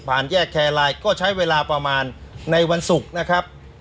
แยกแครลายก็ใช้เวลาประมาณในวันศุกร์นะครับ